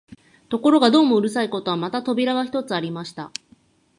ところがどうもうるさいことは、また扉が一つありました